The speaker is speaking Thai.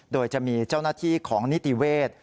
โดยจะมีเจ้าหน้าที่ของนิติเวศ